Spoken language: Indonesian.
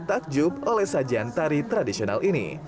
takjub oleh sajian tari tradisional ini